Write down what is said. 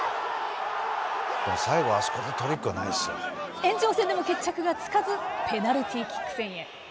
延長戦でも決着がつかずペナルティーキック戦へ。